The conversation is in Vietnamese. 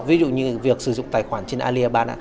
ví dụ như việc sử dụng tài khoản trên alibaba